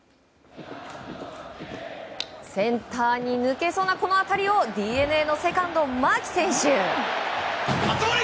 センターに抜けそうなこの当たりをＤｅＮＡのセカンド、牧選手。